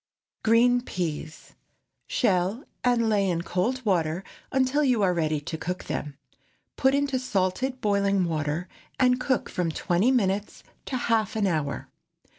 GREEN PEAS. Shell and lay in cold water until you are ready to cook them. Put into salted boiling water, and cook from twenty minutes to half an hour.